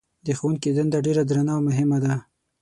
د ښوونکي دنده ډېره درنه او مهمه ده.